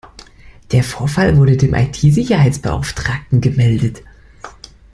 Der Vorfall wurde dem I-T-Sicherheitsbeauftragten gemeldet.